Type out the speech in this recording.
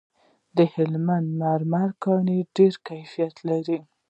د هلمند د مرمرو کانونه ډیر کیفیت لري